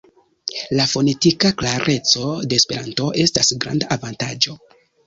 La fonetika klareco de Esperanto estas granda avantaĝo.